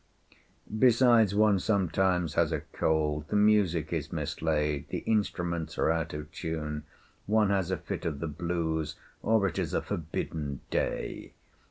Besides, one sometimes has a cold, the music is mislaid, the instruments are out of tune, one has a fit of the blues, or it is a forbidden day.